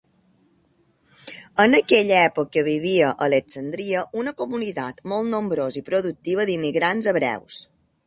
En aquella època, vivia a Alexandria una comunitat molt nombrosa i productiva d'immigrants hebreus.